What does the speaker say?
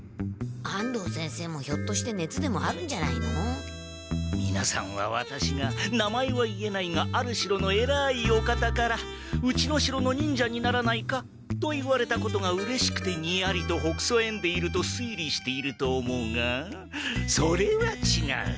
安藤先生もひょっとしてねつでもあるんじゃないの？みなさんはワタシが名前は言えないがある城のえらいお方から「うちの城の忍者にならないか？」と言われたことがうれしくてニヤリとほくそえんでいると推理していると思うがそれはちがう。